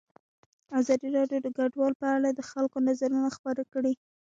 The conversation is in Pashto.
ازادي راډیو د کډوال په اړه د خلکو نظرونه خپاره کړي.